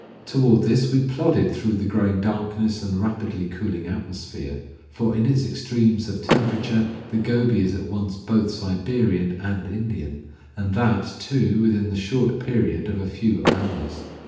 Toward this we plodded through the growing darkness and rapidly cooling atmosphere; for in its extremes of temperature the Gobi is at once both Siberian and Indian, and that, too, within the short period of a few hours.